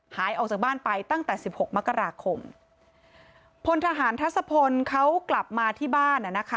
หายออกจากบ้านไปตั้งแต่สิบหกมกราคมพลทหารทัศพลเขากลับมาที่บ้านอ่ะนะคะ